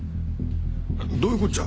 どういうこっちゃ？